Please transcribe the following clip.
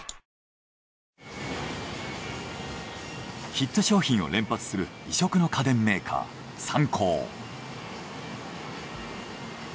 ヒット商品を連発する異色の家電メーカーサンコー。